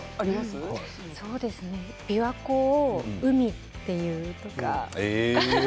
琵琶湖を「うみ」と言うとか。